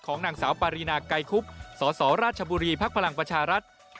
ของนางสาวปารีนาไกรคุบสรชบภรรังประชารัฐ